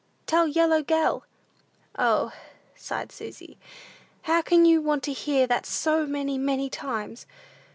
Tell yellow gell." "O," sighed Susy, "how can you want to hear that so many, many times?